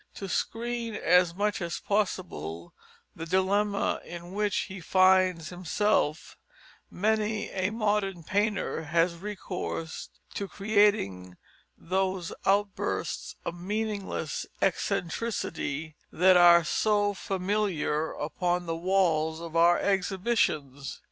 To screen as much as possible the dilemma in which he finds himself, many a modern painter has recourse to creating those outbursts of meaningless eccentricity that are so familiar upon the walls of our exhibitions.